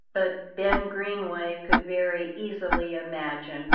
But Ben Greenway could very easily imagine.